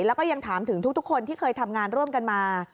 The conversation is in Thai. แล้วก็ยังถามถึงทุกคนที่เคยทำงานร่วมกันมา